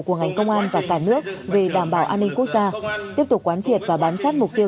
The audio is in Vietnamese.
của ngành công an và cả nước về đảm bảo an ninh quốc gia tiếp tục quán triệt và bám sát mục tiêu